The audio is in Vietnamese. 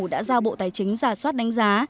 đã giao bộ tài chính ra soát đánh giá